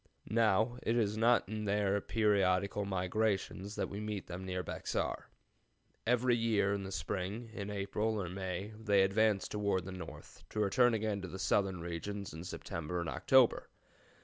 Now, it is not in their periodical migrations that we meet them near Bexar. Every year in the spring, in April or May, they advance toward the north, to return again to the southern regions in September and October.